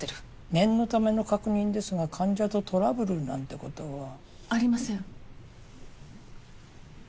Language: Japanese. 念のための確認ですが患者とトラブルなんてことは？ありません。